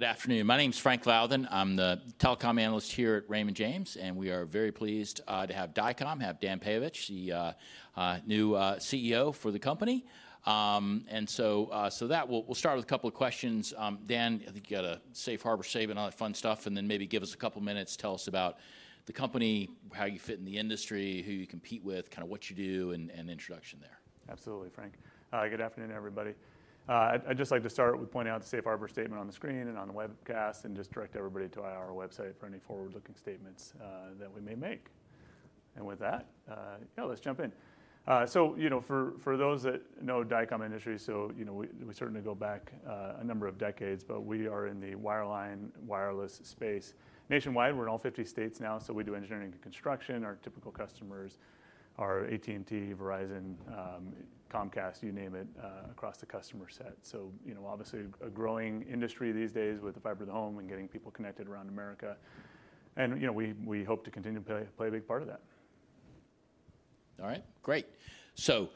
Good afternoon. My name's Frank Louthan. I'm the telecom analyst here at Raymond James, and we are very pleased to have Dycom, have Dan Peyovich, the new CEO for the company. And so that, we'll start with a couple of questions. Dan, I think you got a safe harbor statement on that fun stuff, and then maybe give us a couple of minutes, tell us about the company, how you fit in the industry, who you compete with, kind of what you do, and introduction there. Absolutely, Frank. Good afternoon, everybody. I'd just like to start with pointing out the safe harbor statement on the screen and on the webcast, and just direct everybody to our website for any forward-looking statements that we may make, and with that, yeah, let's jump in. So for those that know Dycom Industries, so we certainly go back a number of decades, but we are in the wireline wireless space nationwide. We're in all 50 states now, so we do engineering and construction. Our typical customers are AT&T, Verizon, Comcast, you name it, across the customer set. So obviously a growing industry these days with the fiber to the home and getting people connected around America, and we hope to continue to play a big part of that. All right, great. So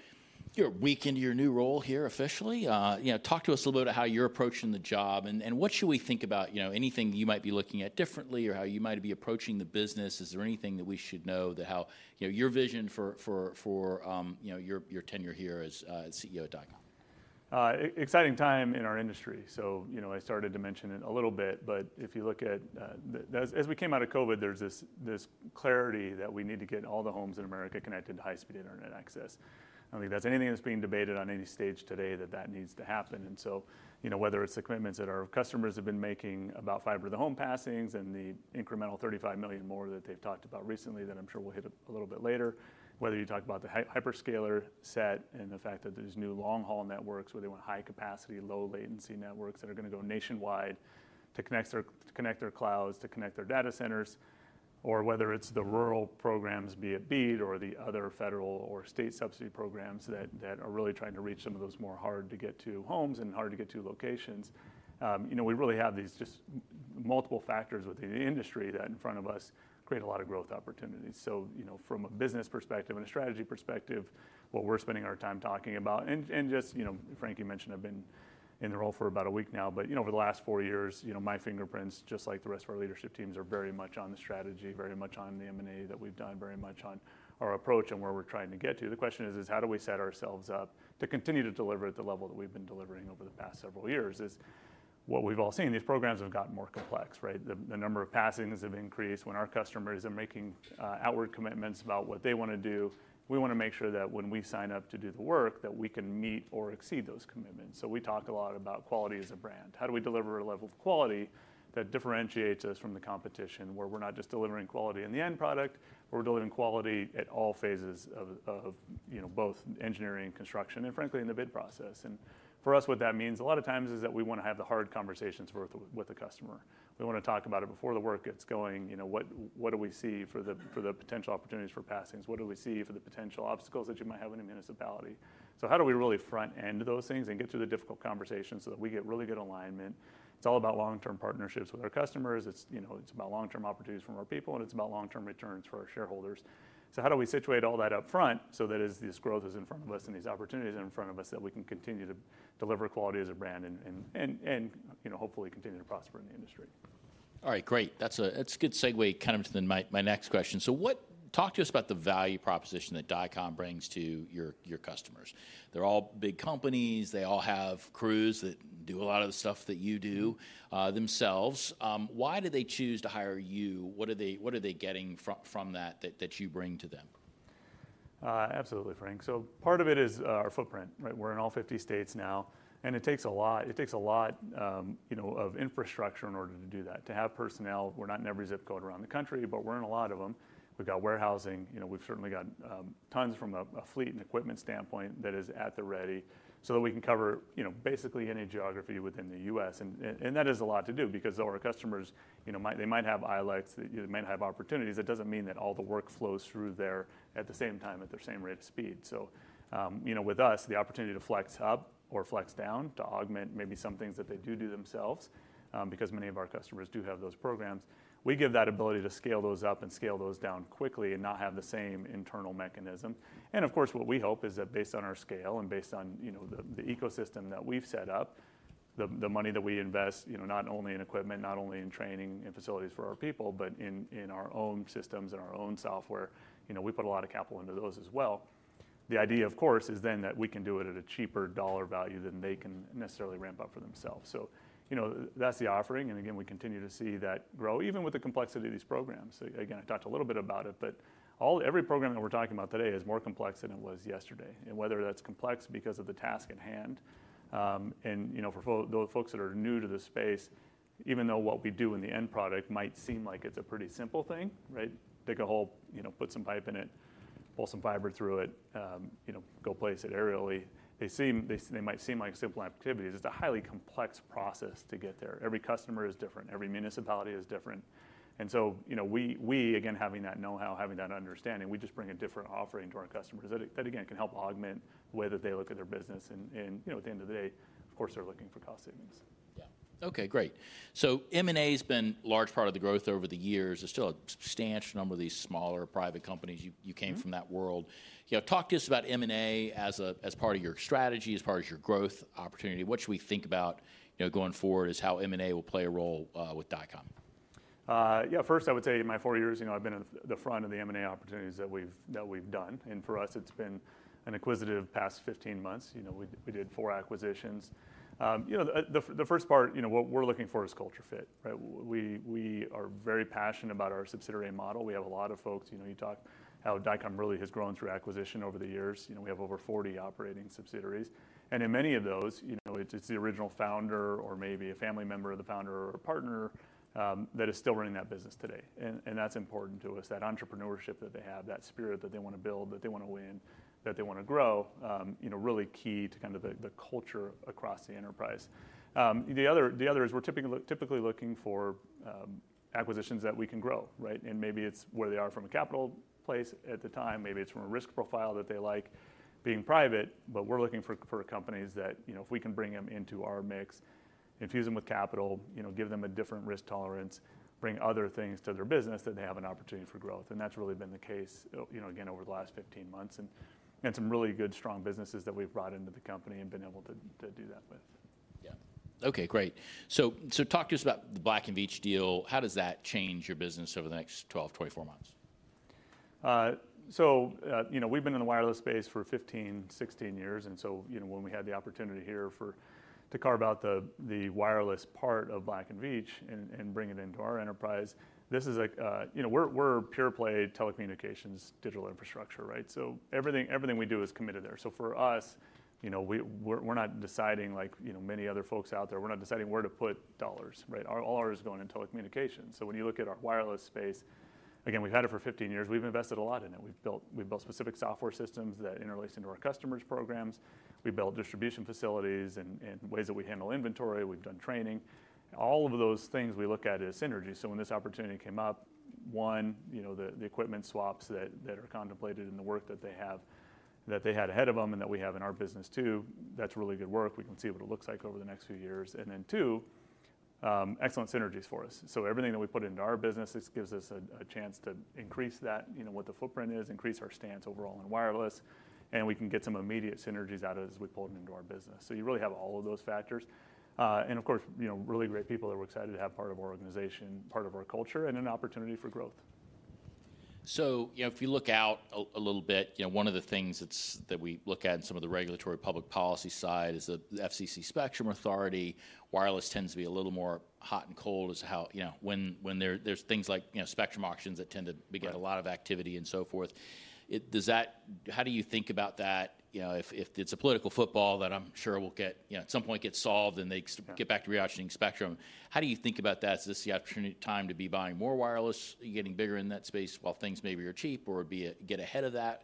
you're a week into your new role here officially. Talk to us a little bit about how you're approaching the job, and what should we think about? Anything you might be looking at differently or how you might be approaching the business? Is there anything that we should know that how your vision for your tenure here as CEO at Dycom? Exciting time in our industry. So I started to mention it a little bit, but if you look at, as we came out of COVID, there's this clarity that we need to get all the homes in America connected to high-speed internet access. I think that's anything that's being debated on any stage today that that needs to happen. And so whether it's the commitments that our customers have been making about fiber to the home passings and the incremental 35 million more that they've talked about recently that I'm sure we'll hit a little bit later, whether you talk about the hyperscaler set and the fact that there's new long-haul networks where they want high-capacity, low-latency networks that are going to go nationwide to connect their clouds, to connect their data centers, or whether it's the rural programs, be it BEAD or the other federal or state subsidy programs that are really trying to reach some of those more hard-to-get-to homes and hard-to-get-to locations. We really have these just multiple factors within the industry that, in front of us, create a lot of growth opportunities. So from a business perspective and a strategy perspective, what we're spending our time talking about, and just, Frank, you mentioned, I've been in the role for about a week now, but over the last four years, my fingerprints, just like the rest of our leadership teams, are very much on the strategy, very much on the M&A that we've done, very much on our approach and where we're trying to get to. The question is, how do we set ourselves up to continue to deliver at the level that we've been delivering over the past several years? What we've all seen, these programs have gotten more complex, right? The number of passings have increased. When our customers are making outward commitments about what they want to do, we want to make sure that when we sign up to do the work, that we can meet or exceed those commitments. We talk a lot about quality as a brand. How do we deliver a level of quality that differentiates us from the competition where we're not just delivering quality in the end product, where we're delivering quality at all phases of both engineering and construction, and frankly, in the bid process? For us, what that means a lot of times is that we want to have the hard conversations with the customer. We want to talk about it before the work gets going. What do we see for the potential opportunities for passings? What do we see for the potential obstacles that you might have in a municipality? How do we really front-end those things and get through the difficult conversations so that we get really good alignment? It's all about long-term partnerships with our customers. It's about long-term opportunities for more people, and it's about long-term returns for our shareholders. So how do we situate all that upfront so that as this growth is in front of us and these opportunities are in front of us, that we can continue to deliver quality as a brand and hopefully continue to prosper in the industry? All right, great. That's a good segue kind of to then my next question. So talk to us about the value proposition that Dycom brings to your customers. They're all big companies. They all have crews that do a lot of the stuff that you do themselves. Why did they choose to hire you? What are they getting from that that you bring to them? Absolutely, Frank. So part of it is our footprint. We're in all 50 states now, and it takes a lot. It takes a lot of infrastructure in order to do that, to have personnel. We're not in every zip code around the country, but we're in a lot of them. We've got warehousing. We've certainly got tons from a fleet and equipment standpoint that is at the ready so that we can cover basically any geography within the U.S., And that is a lot to do because our customers, they might have outlets, they might have opportunities. That doesn't mean that all the work flows through there at the same time at the same rate of speed. So with us, the opportunity to flex up or flex down to augment maybe some things that they do do themselves because many of our customers do have those programs. We give that ability to scale those up and scale those down quickly and not have the same internal mechanism, and of course, what we hope is that based on our scale and based on the ecosystem that we've set up, the money that we invest, not only in equipment, not only in training and facilities for our people, but in our own systems and our own software, we put a lot of capital into those as well. The idea, of course, is then that we can do it at a cheaper dollar value than they can necessarily ramp up for themselves, so that's the offering, and again, we continue to see that grow even with the complexity of these programs. Again, I talked a little bit about it, but every program that we're talking about today is more complex than it was yesterday. Whether that's complex because of the task at hand. For those folks that are new to the space, even though what we do in the end product might seem like it's a pretty simple thing, right? Dig a hole, put some pipe in it, pull some fiber through it, go place it aerially. They might seem like simple activities. It's a highly complex process to get there. Every customer is different. Every municipality is different. So we, again, having that know-how, having that understanding, we just bring a different offering to our customers that, again, can help augment the way that they look at their business. At the end of the day, of course, they're looking for cost savings. Yeah. Okay, great. So M&A has been a large part of the growth over the years. There's still a substantial number of these smaller private companies. You came from that world. Talk to us about M&A as part of your strategy, as part of your growth opportunity. What should we think about going forward as how M&A will play a role with Dycom? Yeah, first, I would say in my four years, I've been at the front of the M&A opportunities that we've done. And for us, it's been an acquisitive past 15 months. We did four acquisitions. The first part, what we're looking for is culture fit, right? We are very passionate about our subsidiary model. We have a lot of folks. You know how Dycom really has grown through acquisition over the years. We have over 40 operating subsidiaries. And in many of those, it's the original founder or maybe a family member of the founder or partner that is still running that business today. And that's important to us, that entrepreneurship that they have, that spirit that they want to build, that they want to win, that they want to grow, really key to kind of the culture across the enterprise. The other is we're typically looking for acquisitions that we can grow, right? And maybe it's where they are from a capital place at the time. Maybe it's from a risk profile that they like being private, but we're looking for companies that if we can bring them into our mix, infuse them with capital, give them a different risk tolerance, bring other things to their business that they have an opportunity for growth. And that's really been the case, again, over the last 15 months and some really good, strong businesses that we've brought into the company and been able to do that with. Yeah. Okay, great. So talk to us about the Black & Veatch deal. How does that change your business over the next 12 months, 24 months? We've been in the wireless space for 15, 16 years. And so when we had the opportunity here to carve out the wireless part of Black & Veatch and bring it into our enterprise, this is, we're a pure play telecommunications digital infrastructure, right? So everything we do is committed there. So for us, we're not deciding like many other folks out there, we're not deciding where to put dollars, right? All ours is going into telecommunications. So when you look at our wireless space, again, we've had it for 15 years. We've invested a lot in it. We've built specific software systems that interlace into our customers' programs. We built distribution facilities and ways that we handle inventory. We've done training. All of those things we look at as synergy. So when this opportunity came up, one, the equipment swaps that are contemplated in the work that they have that they had ahead of them, and that we have in our business too, that's really good work. We can see what it looks like over the next few years. And then two, excellent synergies for us. So everything that we put into our business, this gives us a chance to increase that, what the footprint is, increase our stance overall in wireless, and we can get some immediate synergies out of it as we pull it into our business. So you really have all of those factors. And of course, really great people that we're excited to have part of our organization, part of our culture, and an opportunity for growth. So if you look out a little bit, one of the things that we look at in some of the regulatory public policy side is the FCC spectrum authority. Wireless tends to be a little more hot and cold as how when there's things like spectrum auctions that tend to get a lot of activity and so forth. How do you think about that? If it's a political football that I'm sure will at some point get solved and they get back to re-auctioning spectrum, how do you think about that? Is this the opportunity time to be buying more wireless, getting bigger in that space while things maybe are cheap or get ahead of that?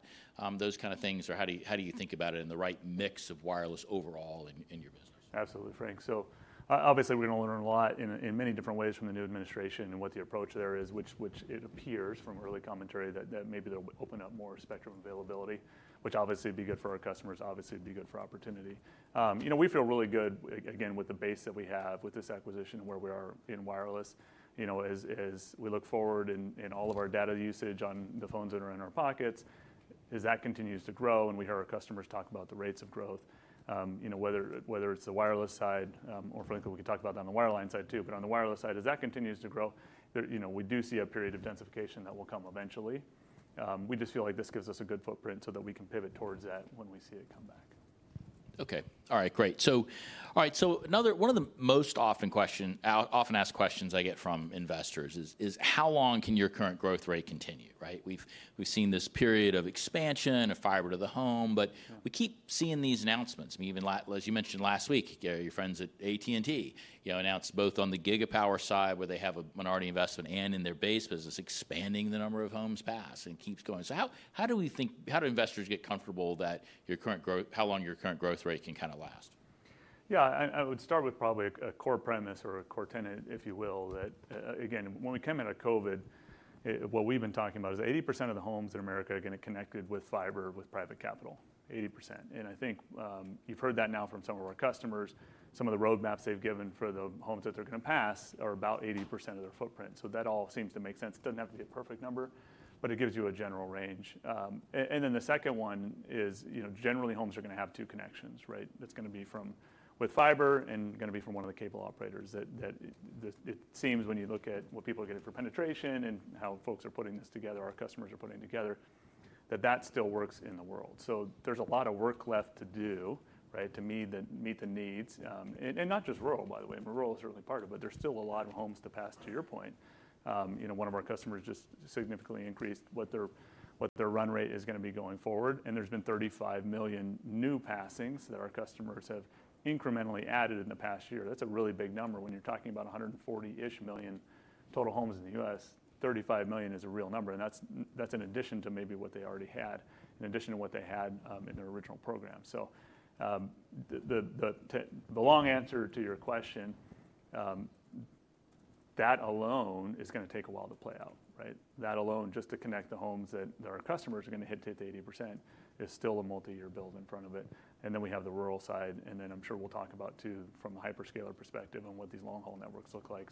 Those kinds of things, or how do you think about it in the right mix of wireless overall in your business? Absolutely, Frank. So obviously, we're going to learn a lot in many different ways from the new administration and what the approach there is, which it appears from early commentary that maybe they'll open up more spectrum availability, which obviously would be good for our customers, obviously would be good for opportunity. We feel really good, again, with the base that we have with this acquisition and where we are in wireless as we look forward in all of our data usage on the phones that are in our pockets. As that continues to grow and we hear our customers talk about the rates of growth, whether it's the wireless side or frankly, we could talk about it on the wireline side too, but on the wireless side, as that continues to grow, we do see a period of densification that will come eventually. We just feel like this gives us a good footprint so that we can pivot towards that when we see it come back. Okay. All right, great. So one of the most often asked questions I get from investors is, how long can your current growth rate continue? Right? We've seen this period of expansion of Fiber to the home, but we keep seeing these announcements. I mean, even as you mentioned last week, your friends at AT&T announced both on the Gigapower side where they have a minority investment and in their base business, expanding the number of homes passed and keeps going. So how do we think, how do investors get comfortable that your current growth, how long your current growth rate can kind of last? Yeah, I would start with probably a core premise or a core tenet, if you will, that again, when we came out of COVID, what we've been talking about is 80% of the homes in America are going to be connected with fiber with private capital, 80%. And I think you've heard that now from some of our customers. Some of the roadmaps they've given for the homes that they're going to pass are about 80% of their footprint. So that all seems to make sense. It doesn't have to be a perfect number, but it gives you a general range. And then the second one is generally homes are going to have two connections, right? That's going to be from with fiber and going to be from one of the cable operators. It seems when you look at what people are getting for penetration and how folks are putting this together, our customers are putting together, that still works in the world. So there's a lot of work left to do, right, to meet the needs. And not just rural, by the way. I mean, rural is certainly part of it, but there's still a lot of homes to pass, to your point. One of our customers just significantly increased what their run rate is going to be going forward. And there's been 35 million new passings that our customers have incrementally added in the past year. That's a really big number. When you're talking about 140-ish million total homes in the U.S., 35 million is a real number. And that's in addition to maybe what they already had, in addition to what they had in their original program. The long answer to your question, that alone is going to take a while to play out, right? That alone, just to connect the homes that our customers are going to hit to 80% is still a multi-year build in front of it. And then we have the rural side. And then I'm sure we'll talk about too from a hyperscaler perspective on what these long-haul networks look like.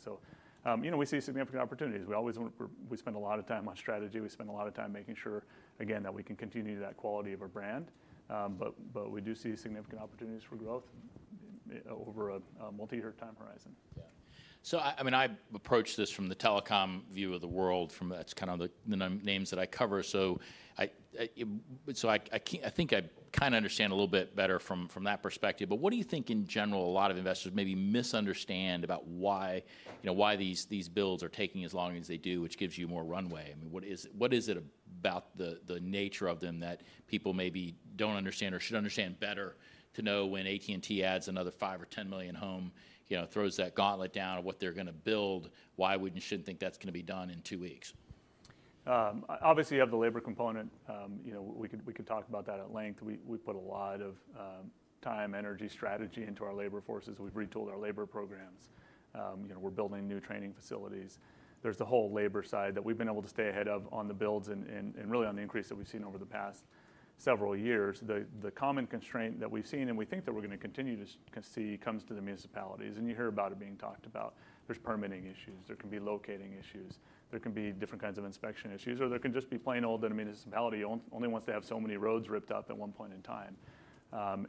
We see significant opportunities. We spend a lot of time on strategy. We spend a lot of time making sure, again, that we can continue that quality of our brand. But we do see significant opportunities for growth over a multi-year time horizon. Yeah. So I mean, I approach this from the telecom view of the world. That's kind of the names that I cover. So I think I kind of understand a little bit better from that perspective. But what do you think in general a lot of investors maybe misunderstand about why these builds are taking as long as they do, which gives you more runway? I mean, what is it about the nature of them that people maybe don't understand or should understand better to know when AT&T adds another five or 10 million homes, throws that gauntlet down of what they're going to build? Why would anyone think that's going to be done in two weeks? Obviously, you have the labor component. We could talk about that at length. We put a lot of time, energy, strategy into our labor forces. We've retooled our labor programs. We're building new training facilities. There's the whole labor side that we've been able to stay ahead of on the builds and really on the increase that we've seen over the past several years. The common constraint that we've seen and we think that we're going to continue to see comes to the municipalities, and you hear about it being talked about. There's permitting issues. There can be locating issues. There can be different kinds of inspection issues, or there can just be plain old in a municipality only once they have so many roads ripped up at one point in time.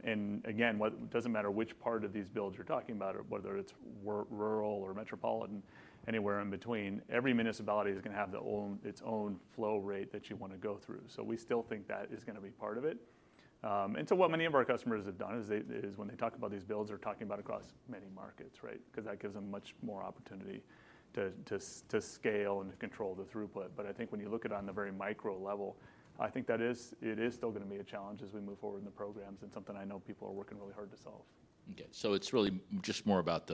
And again, it doesn't matter which part of these builds you're talking about, whether it's rural or metropolitan, anywhere in between, every municipality is going to have its own flow rate that you want to go through. So we still think that is going to be part of it. And so what many of our customers have done is when they talk about these builds, they're talking about across many markets, right? Because that gives them much more opportunity to scale and control the throughput. But I think when you look at it on the very micro level, I think that it is still going to be a challenge as we move forward in the programs and something I know people are working really hard to solve. Okay. So it's really just more about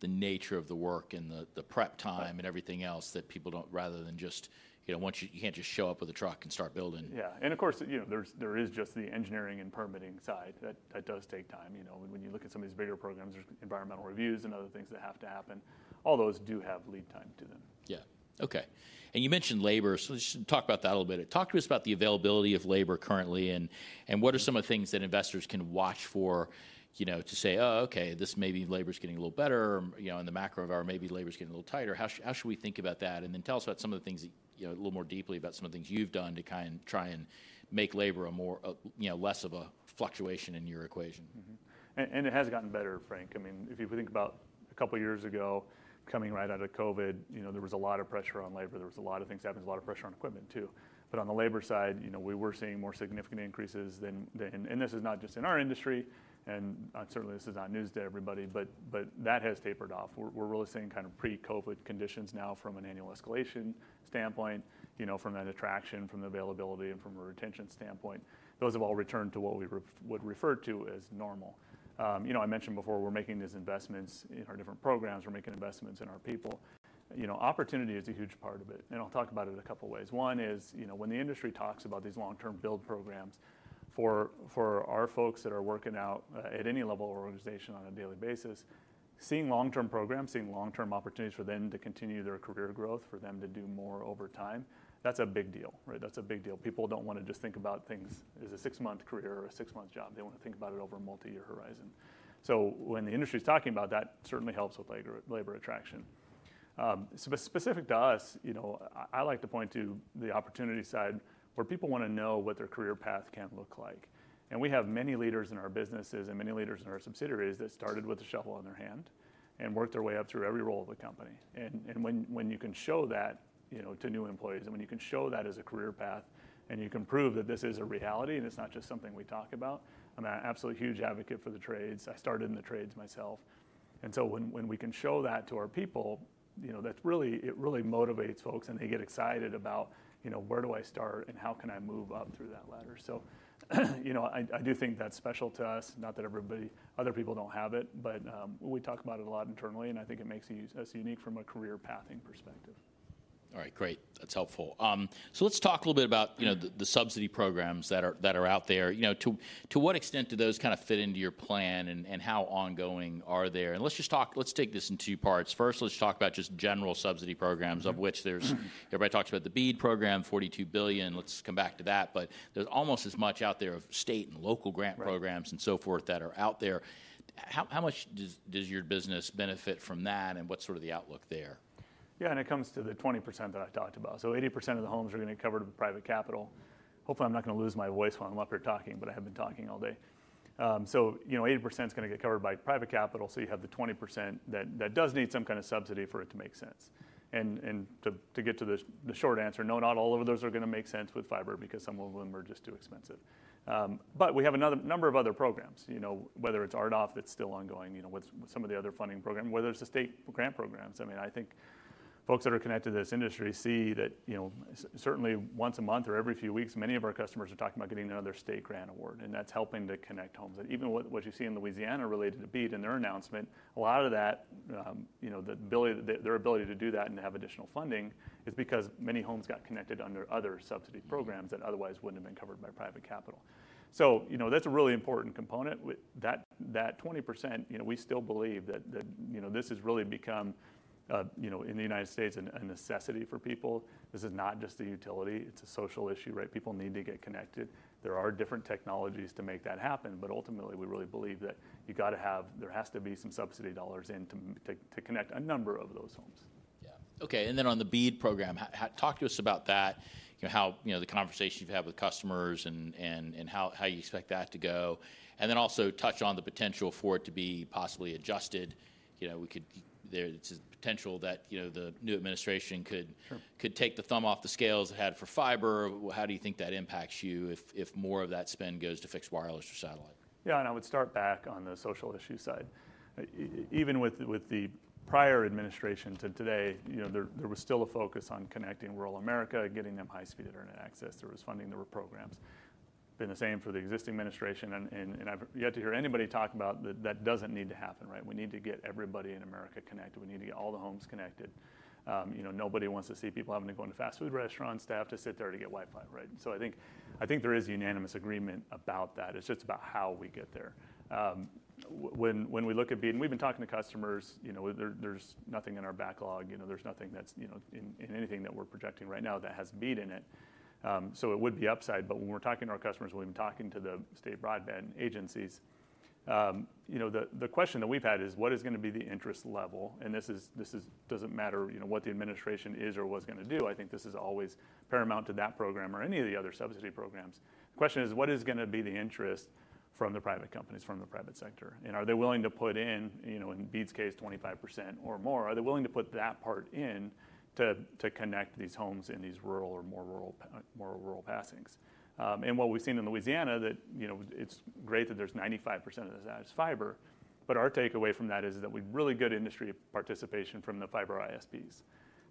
the nature of the work and the prep time and everything else that people don't, rather than just you can't just show up with a truck and start building. Yeah, and of course, there is just the engineering and permitting side. That does take time. When you look at some of these bigger programs, there's environmental reviews and other things that have to happen. All those do have lead time to them. Yeah. Okay. And you mentioned labor. So let's talk about that a little bit. Talk to us about the availability of labor currently and what are some of the things that investors can watch for to say, "Oh, okay, this maybe labor's getting a little better in the macro, or maybe labor's getting a little tighter. How should we think about that?" And then tell us about some of the things a little more deeply about some of the things you've done to kind of try and make labor less of a fluctuation in your equation. It has gotten better, Frank. I mean, if you think about a couple of years ago, coming right out of COVID, there was a lot of pressure on labor. There was a lot of things happening, a lot of pressure on equipment too. But on the labor side, we were seeing more significant increases. And this is not just in our industry. And certainly, this is not news to everybody, but that has tapered off. We're really seeing kind of pre-COVID conditions now from an annual escalation standpoint, from that attraction, from the availability, and from a retention standpoint. Those have all returned to what we would refer to as normal. I mentioned before, we're making these investments in our different programs. We're making investments in our people. Opportunity is a huge part of it. And I'll talk about it in a couple of ways. One is when the industry talks about these long-term build programs for our folks that are working out at any level of organization on a daily basis, seeing long-term programs, seeing long-term opportunities for them to continue their career growth, for them to do more over time, that's a big deal, right? That's a big deal. People don't want to just think about things as a six-month career or a six-month job. They want to think about it over a multi-year horizon. So when the industry is talking about that, it certainly helps with labor attraction. Specific to us, I like to point to the opportunity side where people want to know what their career path can look like. We have many leaders in our businesses and many leaders in our subsidiaries that started with a shovel in their hand and worked their way up through every role of the company. When you can show that to new employees and when you can show that as a career path, and you can prove that this is a reality and it's not just something we talk about, I'm an absolute huge advocate for the trades. I started in the trades myself. When we can show that to our people, it really motivates folks and they get excited about where do I start and how can I move up through that ladder. I do think that's special to us. Not that other people don't have it, but we talk about it a lot internally. I think it makes us unique from a career pathing perspective. All right, great. That's helpful. So let's talk a little bit about the subsidy programs that are out there. To what extent do those kind of fit into your plan and how ongoing are there? And let's just talk, let's take this in two parts. First, let's talk about just general subsidy programs, of which everybody talks about the BEAD program, $42 billion. Let's come back to that. But there's almost as much out there of state and local grant programs and so forth that are out there. How much does your business benefit from that and what's sort of the outlook there? Yeah, and it comes to the 20% that I talked about. So 80% of the homes are going to be covered with private capital. Hopefully, I'm not going to lose my voice while I'm up here talking, but I have been talking all day. So 80% is going to get covered by private capital. So you have the 20% that does need some kind of subsidy for it to make sense. And to get to the short answer, no, not all of those are going to make sense with fiber because some of them are just too expensive. But we have a number of other programs, whether it's RDOF that's still ongoing with some of the other funding programs, whether it's the state grant programs. I mean, I think folks that are connected to this industry see that certainly once a month or every few weeks, many of our customers are talking about getting another state grant award. And that's helping to connect homes. And even what you see in Louisiana related to BEAD and their announcement, a lot of that, their ability to do that and have additional funding is because many homes got connected under other subsidy programs that otherwise wouldn't have been covered by private capital. So that's a really important component. That 20%, we still believe that this has really become in the United States a necessity for people. This is not just a utility. It's a social issue, right? People need to get connected. There are different technologies to make that happen. But ultimately, we really believe that you got to have, there has to be some subsidy dollars in to connect a number of those homes. Yeah. Okay. And then on the BEAD program, talk to us about that, how the conversation you've had with customers and how you expect that to go. And then also touch on the potential for it to be possibly adjusted. There's a potential that the new administration could take the thumb off the scales it had for fiber. How do you think that impacts you if more of that spend goes to fixed wireless or satellite? Yeah, and I would start back on the social issue side. Even with the prior administration to today, there was still a focus on connecting rural America and getting them high-speed internet access. There was funding, there were programs. Been the same for the existing administration. And I've yet to hear anybody talk about that doesn't need to happen, right? We need to get everybody in America connected. We need to get all the homes connected. Nobody wants to see people having to go into fast food restaurants to have to sit there to get Wi-Fi, right? So I think there is unanimous agreement about that. It's just about how we get there. When we look at BEAD, and we've been talking to customers, there's nothing in our backlog. There's nothing in anything that we're projecting right now that has BEAD in it. So it would be upside. But when we're talking to our customers, when we've been talking to the state broadband agencies, the question that we've had is, what is going to be the interest level? And this doesn't matter what the administration is or what's going to do. I think this is always paramount to that program or any of the other subsidy programs. The question is, what is going to be the interest from the private companies, from the private sector? And are they willing to put in, in BEAD's case, 25% or more? Are they willing to put that part in to connect these homes in these rural or more rural passings? And what we've seen in Louisiana is that it's great that there's 95% of the state's fiber. But our takeaway from that is that we have really good industry participation from the fiber ISPs.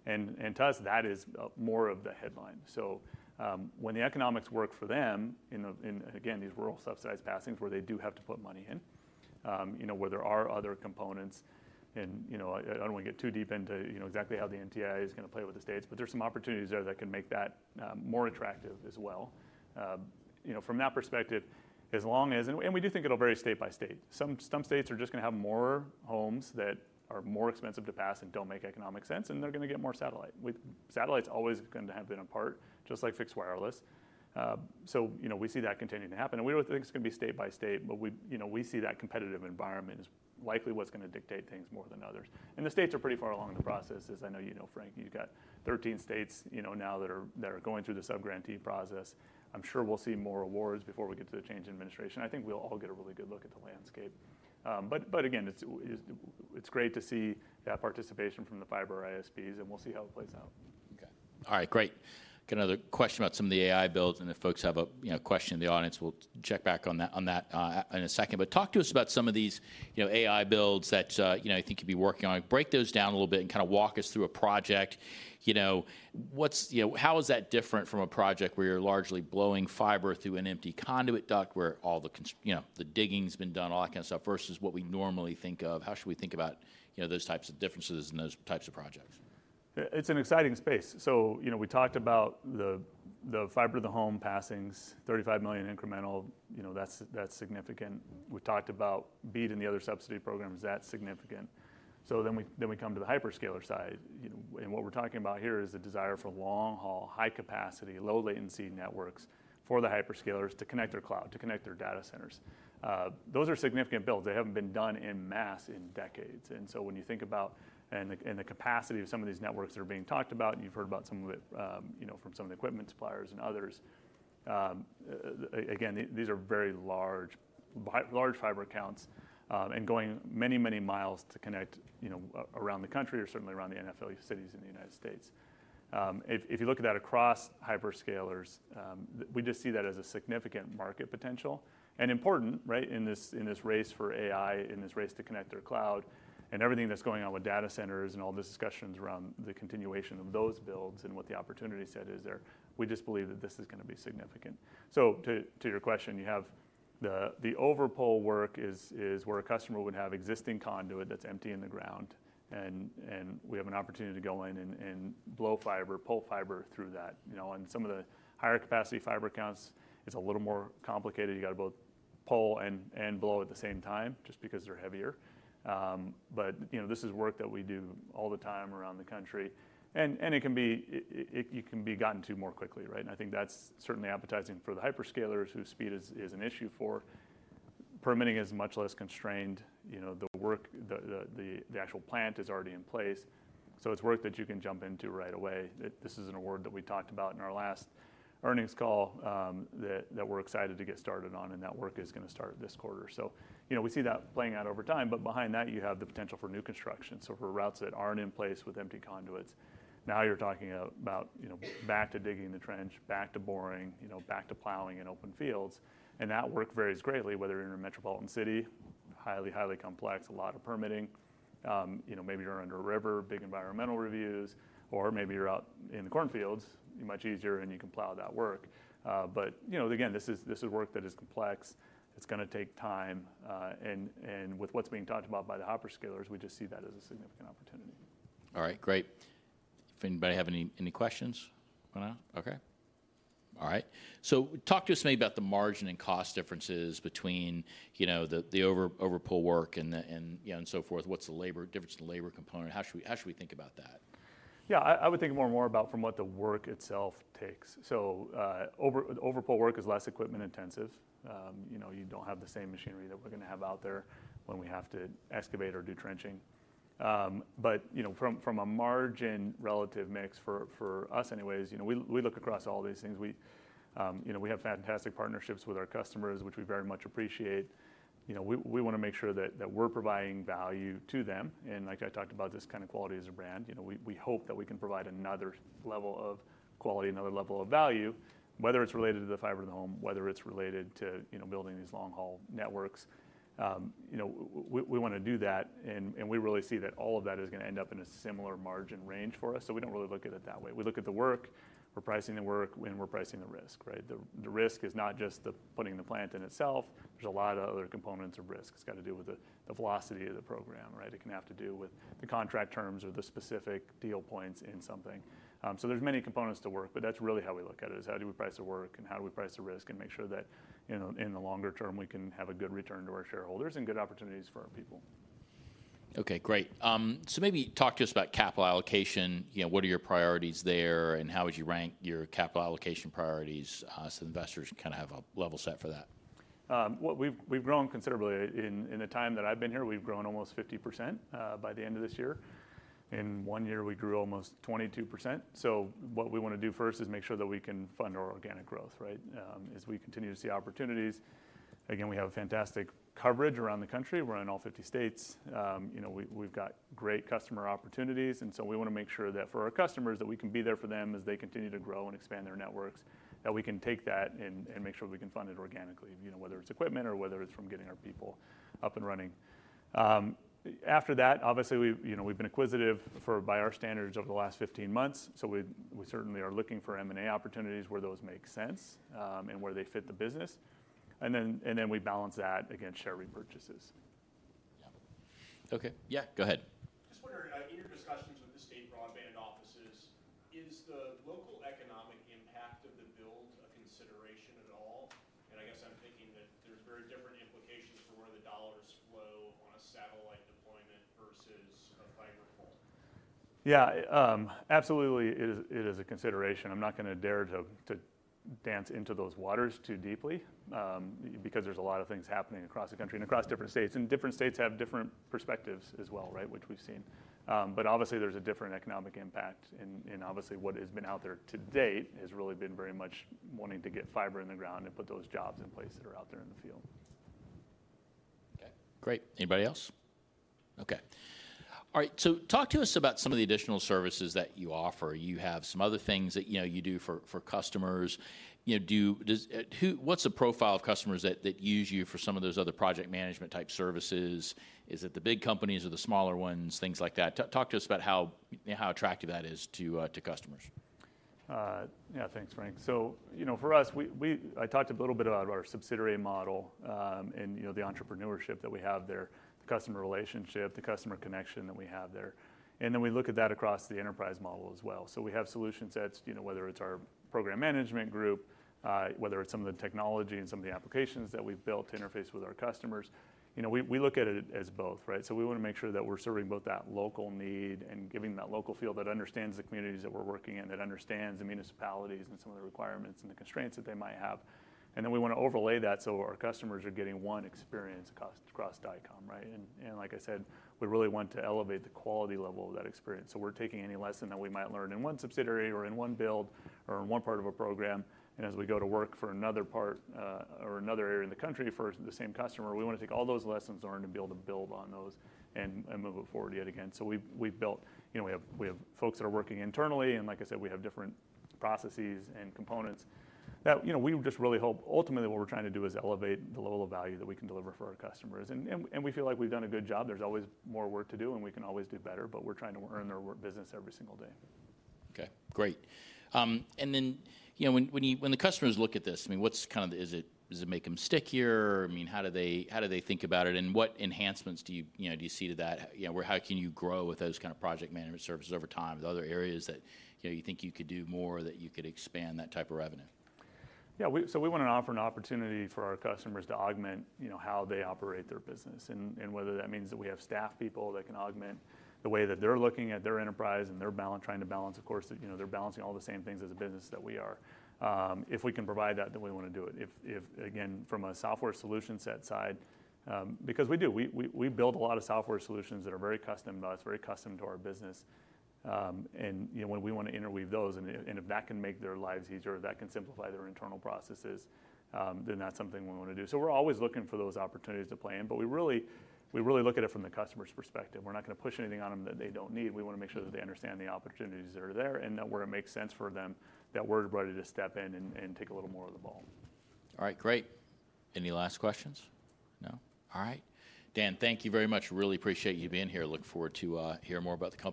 And to us, that is more of the headline. So when the economics work for them in, again, these rural subsidized passings where they do have to put money in, where there are other components, and I don't want to get too deep into exactly how the NTIA is going to play with the states, but there's some opportunities there that can make that more attractive as well. From that perspective, as long as, and we do think it'll vary state by state. Some states are just going to have more homes that are more expensive to pass and don't make economic sense, and they're going to get more satellite. Satellite's always going to have been a part, just like fixed wireless. So we see that continuing to happen. And we don't think it's going to be state by state, but we see that competitive environment is likely what's going to dictate things more than others. And the states are pretty far along in the process. As I know you know, Frank, you've got 13 states now that are going through the subgrantee process. I'm sure we'll see more awards before we get to the change in administration. I think we'll all get a really good look at the landscape. But again, it's great to see that participation from the fiber ISPs, and we'll see how it plays out. Okay. All right, great. Got another question about some of the AI builds, and if folks have a question in the audience, we'll check back on that in a second, but talk to us about some of these AI builds that you think you'd be working on. Break those down a little bit and kind of walk us through a project. How is that different from a project where you're largely blowing fiber through an empty conduit duct where all the digging's been done, all that kind of stuff, versus what we normally think of? How should we think about those types of differences in those types of projects? It's an exciting space, so we talked about the fiber to the home passings, 35 million incremental. That's significant. We've talked about BEAD and the other subsidy programs. That's significant, so then we come to the hyperscaler side, and what we're talking about here is the desire for long-haul, high-capacity, low-latency networks for the hyperscalers to connect their cloud, to connect their data centers. Those are significant builds. They haven't been done en masse in decades, and so when you think about the capacity of some of these networks that are being talked about, and you've heard about some of it from some of the equipment suppliers and others, again, these are very large fiber counts and going many, many miles to connect around the country or certainly around the NFL cities in the United States. If you look at that across hyperscalers, we just see that as a significant market potential and important, right, in this race for AI, in this race to connect their cloud and everything that's going on with data centers and all the discussions around the continuation of those builds and what the opportunity set is there. We just believe that this is going to be significant, so to your question, you have the overpull work is where a customer would have existing conduit that's empty in the ground, and we have an opportunity to go in and blow fiber, pull fiber through that. On some of the higher capacity fiber counts, it's a little more complicated. You got to both pull and blow at the same time just because they're heavier, but this is work that we do all the time around the country. And it can be gotten to more quickly, right? And I think that's certainly appetizing for the hyperscalers whose speed is an issue for permitting is much less constrained. The actual plant is already in place. So it's work that you can jump into right away. This is an award that we talked about in our last earnings call that we're excited to get started on, and that work is going to start this quarter. So we see that playing out over time. But behind that, you have the potential for new construction. So for routes that aren't in place with empty conduits, now you're talking about back to digging the trench, back to boring, back to plowing in open fields. And that work varies greatly, whether you're in a metropolitan city, highly, highly complex, a lot of permitting. Maybe you're under a river, big environmental reviews, or maybe you're out in the cornfields. You're much easier, and you can plow that work, but again, this is work that is complex. It's going to take time, and with what's being talked about by the hyperscalers, we just see that as a significant opportunity. All right, great. If anybody have any questions? Okay. All right, so talk to us maybe about the margin and cost differences between the overpull work and so forth. What's the difference in the labor component? How should we think about that? Yeah, I would think more and more about from what the work itself takes. So overpull work is less equipment intensive. You don't have the same machinery that we're going to have out there when we have to excavate or do trenching. But from a margin relative mix for us anyways, we look across all these things. We have fantastic partnerships with our customers, which we very much appreciate. We want to make sure that we're providing value to them. And like I talked about, this kind of quality is a brand. We hope that we can provide another level of quality, another level of value, whether it's related to the fiber to the home, whether it's related to building these long-haul networks. We want to do that. And we really see that all of that is going to end up in a similar margin range for us. So we don't really look at it that way. We look at the work. We're pricing the work, and we're pricing the risk, right? The risk is not just the putting the plant in itself. There's a lot of other components of risk. It's got to do with the velocity of the program, right? It can have to do with the contract terms or the specific deal points in something. So there's many components to work, but that's really how we look at it, is how do we price the work and how do we price the risk and make sure that in the longer term, we can have a good return to our shareholders and good opportunities for our people. Okay, great. So maybe talk to us about capital allocation. What are your priorities there? And how would you rank your capital allocation priorities so investors can kind of have a level set for that? We've grown considerably. In the time that I've been here, we've grown almost 50% by the end of this year. In one year, we grew almost 22%. So what we want to do first is make sure that we can fund our organic growth, right? As we continue to see opportunities. Again, we have fantastic coverage around the country. We're in all 50 states. We've got great customer opportunities. And so we want to make sure that for our customers, that we can be there for them as they continue to grow and expand their networks, that we can take that and make sure we can fund it organically, whether it's equipment or whether it's from getting our people up and running. After that, obviously, we've been acquisitive by our standards over the last 15 months. So we certainly are looking for M&A opportunities where those make sense and where they fit the business. And then we balance that against share repurchases. Yeah. Okay. Yeah, go ahead. Just wondering, in your discussions with the state broadband offices, is the local economic impact of the build a consideration at all? And I guess I'm thinking that there's very different implications for where the dollars flow on a satellite deployment versus a fiber pull. Yeah, absolutely, it is a consideration. I'm not going to dare to dance into those waters too deeply because there's a lot of things happening across the country and across different states. And different states have different perspectives as well, right, which we've seen. But obviously, there's a different economic impact. And obviously, what has been out there to date has really been very much wanting to get fiber in the ground and put those jobs in place that are out there in the field. Okay, great. Anybody else? Okay. All right, so talk to us about some of the additional services that you offer. You have some other things that you do for customers. What's the profile of customers that use you for some of those other project management type services? Is it the big companies or the smaller ones, things like that? Talk to us about how attractive that is to customers. Yeah, thanks, Frank, so for us, I talked a little bit about our subsidiary model and the entrepreneurship that we have there, the customer relationship, the customer connection that we have there, and then we look at that across the enterprise model as well, so we have solutions that, whether it's our program management group, whether it's some of the technology and some of the applications that we've built to interface with our customers, we look at it as both, right, so we want to make sure that we're serving both that local need and giving that local field that understands the communities that we're working in, that understands the municipalities and some of the requirements and the constraints that they might have, and then we want to overlay that so our customers are getting one experience across Dycom, right? Like I said, we really want to elevate the quality level of that experience. We're taking any lesson that we might learn in one subsidiary or in one build, or in one part of a program. As we go to work for another part or another area in the country for the same customer, we want to take all those lessons learned and be able to build on those and move it forward yet again. We've built, we have folks that are working internally. Like I said, we have different processes and components that we just really hope, ultimately, what we're trying to do is elevate the level of value that we can deliver for our customers. We feel like we've done a good job. There's always more work to do, and we can always do better, but we're trying to earn their business every single day. Okay, great, and then when the customers look at this, I mean, what's kind of, does it make them stickier? I mean, how do they think about it, and what enhancements do you see to that? How can you grow with those kind of project management services over time? Are there other areas that you think you could do more or that you could expand that type of revenue? Yeah, so we want to offer an opportunity for our customers to augment how they operate their business and whether that means that we have staff people that can augment the way that they're looking at their enterprise and they're trying to balance, of course, they're balancing all the same things as a business that we are. If we can provide that, then we want to do it. Again, from a software solution set side, because we do, we build a lot of software solutions that are very custom to us, very custom to our business. And when we want to interweave those, and if that can make their lives easier, if that can simplify their internal processes, then that's something we want to do. So we're always looking for those opportunities to play in, but we really look at it from the customer's perspective. We're not going to push anything on them that they don't need. We want to make sure that they understand the opportunities that are there and that where it makes sense for them, that we're ready to step in and take a little more of the ball. All right, great. Any last questions? No? All right. Dan, thank you very much. Really appreciate you being here. Look forward to hearing more about the.